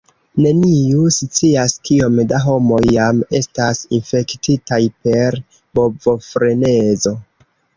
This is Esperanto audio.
Neniu scias, kiom da homoj jam estas infektitaj per bovofrenezo.